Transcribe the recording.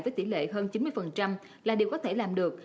với tỷ lệ hơn chín mươi là điều có thể làm được